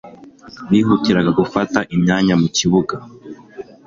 bihutiraga gufata imyanya mu kibuga